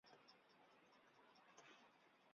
回龙站位于中华民国交会。